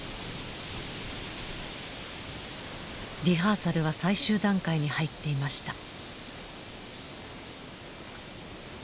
リハーサルは最終段階に入っていました。